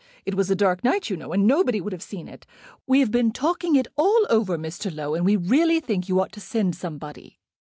It was a dark night, you know, and nobody would have seen it. We have been talking it all over, Mr. Low, and we really think you ought to send somebody."